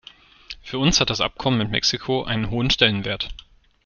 Für uns hat das Abkommen mit Mexiko einen hohen Stellenwert.